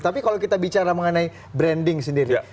tapi kalau kita bicara mengenai branding sendiri